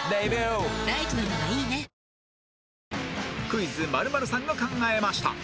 「クイズ○○さんが考えました」